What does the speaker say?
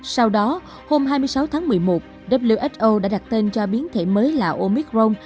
sau đó hôm hai mươi sáu tháng một mươi một who đã đặt tên cho biến thể mới là omic rong